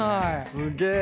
すげえ。